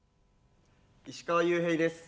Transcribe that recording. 石川裕平です。